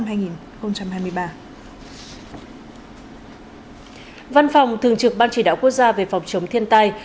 văn phòng thường trực ban chỉ đạo quốc gia về phòng chống thiên tai